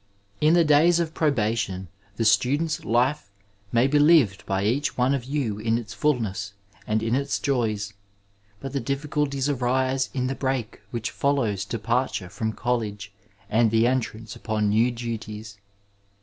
n In the days of probation the stnAMs^ tifie may be fived by each one of you in its fullness and in ttb ioys, but the difficulties arise in the break which follows departure from college and the entrance upon new duties.